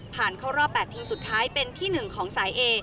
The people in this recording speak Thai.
เข้ารอบ๘ทีมสุดท้ายเป็นที่๑ของสายเอ